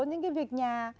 những cái việc nhà